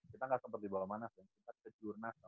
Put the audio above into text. kita gak seperti di bawamanas ya kita ke jurnas